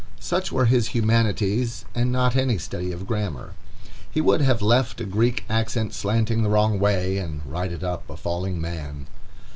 Such were his humanities, and not any study of grammar. He would have left a Greek accent slanting the wrong way, and righted up a falling man.